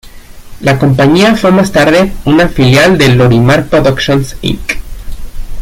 La compañía fue más tarde una filial de Lorimar Productions Inc.